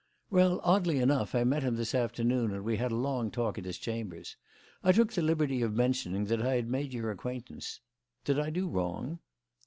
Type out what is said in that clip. "Well, oddly enough, I met him this afternoon and we had a long talk at his chambers. I took the liberty of mentioning that I had made your acquaintance. Did I do wrong?"